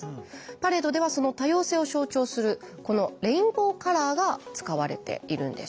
パレードではその多様性を象徴するこのレインボーカラーが使われているんです。